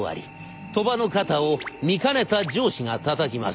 鳥羽の肩を見かねた上司がたたきます。